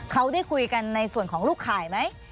เขาได้คุยกันในส่วนของลูกข่ายไหม